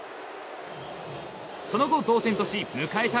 その後、同点とし迎えた